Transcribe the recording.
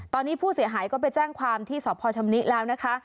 ตอนนี้ผู้เสียหายก็ไปแจ้งความที่สพชำนิแล้วนะคะ